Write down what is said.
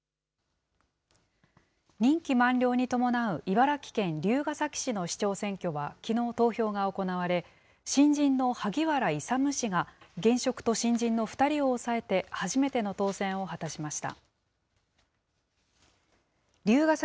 任期満了に伴う茨城県龍ケ崎市の市長選挙は、きのう投票が行われ、新人の萩原勇氏が、現職と新人の２人を抑えて初めての当選を果たしました。